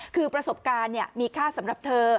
คือประสบการณ์มีค่าสำหรับเธอ